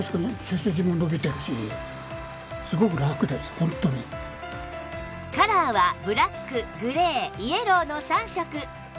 うちの嫁がカラーはブラックグレーイエローの３色